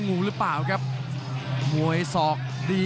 กรรมการเตือนทั้งคู่ครับ๖๖กิโลกรัม